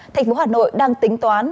thành phố hà nội đang tính toán